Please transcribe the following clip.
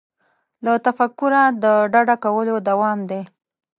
له تفکره د ډډه کولو دوام دی.